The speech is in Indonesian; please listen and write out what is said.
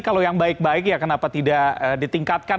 kalau yang baik baik ya kenapa tidak ditingkatkan